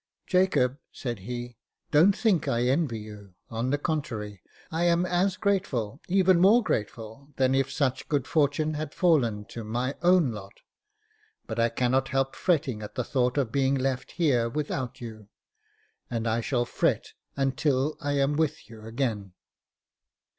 "Jacob," said he, "don't think I envy you; on the contrary, I am as grateful, even more grateful than if such good fortune had fallen to my own lot ; but I cannot help fretting at the thought of being left here without you : and I shall fret until I am with you again."